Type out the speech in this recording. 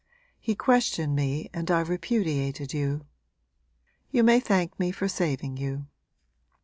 He questioned me and I repudiated you. You may thank me for saving you!